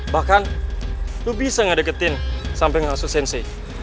bahkan lo bisa ngedeketin sampai menghasut sensei